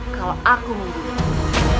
kalau aku menggunakanmu